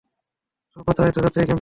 সব বাচ্চারাই তো যাচ্ছে এই ক্যাম্পে।